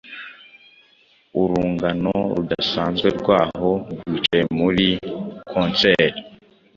Urungano rudasanzwe rwaho rwicaye muri Councel.